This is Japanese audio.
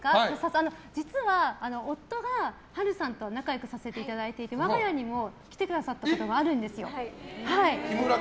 実は、夫が華さんと仲良くさせていただいて我が家にも来てくださったことがあるんですよ。